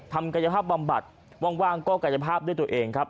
ทำกายภาพบำบัดว่างก็กายภาพด้วยตัวเองครับ